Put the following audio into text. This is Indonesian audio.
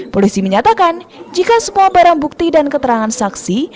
polisi menyatakan jika semua barang bukti dan keterangan saksi